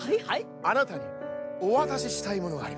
あなたにおわたししたいものがあります。